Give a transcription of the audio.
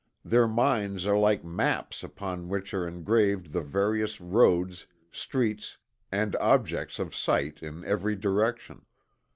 Their minds are like maps upon which are engraved the various roads, streets and objects of sight in every direction.